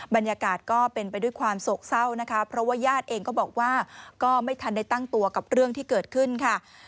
บรรยากาศก็เป็นไปด้วยความโศกเศร้านะคะเพราะว่าญาติเองก็บอกว่าก็ไม่ทันได้ตั้งตัวกับเรื่องที่เกิดขึ้นค่ะ